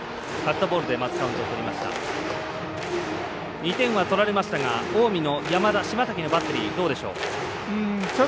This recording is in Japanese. ２点は取られましたが近江の山田、島瀧のバッテリーどうでしょう？